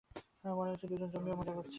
মনে হচ্ছে দুজন জমিয়ে মজা করেছো।